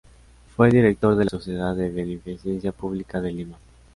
Fue director de la Sociedad de Beneficencia Pública de Lima.